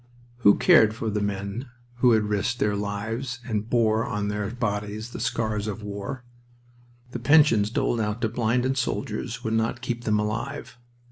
Who cared for the men who had risked their lives and bore on their bodies the scars of war? The pensions doled out to blinded soldiers would not keep them alive.